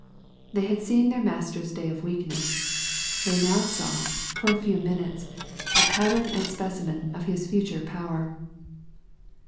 They had seen their Master's day of weakness. They now saw, for a few minutes, a pattern and specimen of His future power.